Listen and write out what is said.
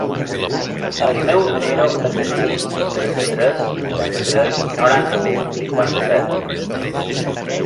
El meu número es el sis, trenta-tres, vuitanta-tres, noranta-u, cinquanta-set.